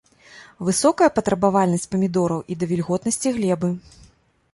Высокая патрабавальнасць памідораў і да вільготнасці глебы.